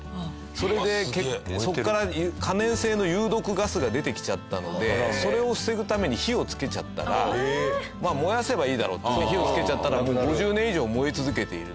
それでそこから可燃性の有毒ガスが出てきちゃったのでそれを防ぐために火をつけちゃったら燃やせばいいだろうって火をつけちゃったら５０年以上燃え続けている。